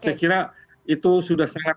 saya kira itu sudah sangat